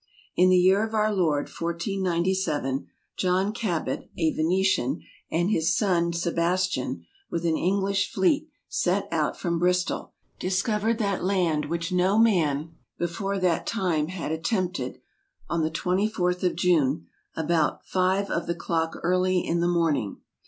IN the yeere of our Lord 1497 Iohn Cabot a Venetian, and his sonne Sebastian (with an English fleet set out from Bristoll) discoured that land which no man before that time had attempted, on the 24 of Iune, about fiue of the clocke early in the morning.